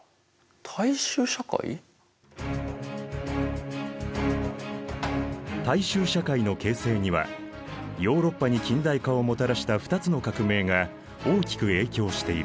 大衆社会の形成にはヨーロッパに近代化をもたらした二つの革命が大きく影響している。